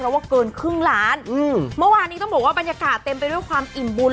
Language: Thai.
เมื่อวานนี้ต้องบอกว่าบรรยากาศเต็มไปด้วยความอิ่มบุญ